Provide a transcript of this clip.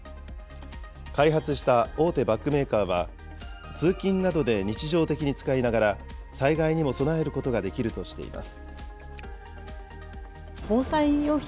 開発した大手バッグメーカーは、通勤などで日常的に使いながら、災害にも備えることができるとしています。